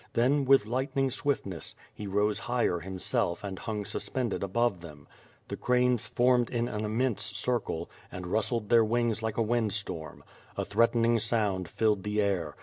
Then, with lightning swiftness, he rose higher himself and hung suspended above them. The cranes formed in an immense circle, and rustled their wings like a wind storm. A threatening sound filled the air.